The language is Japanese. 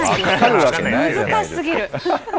難しすぎる。